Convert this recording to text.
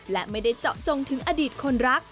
และไม่ได้เจาะจงถึงอดีตคนรัก